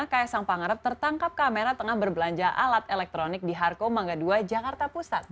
kaisang pangarep tertangkap kamera tengah berbelanja alat elektronik di harko mangga ii jakarta pusat